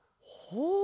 ほう。